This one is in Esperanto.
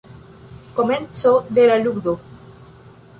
Komenco de la ludo.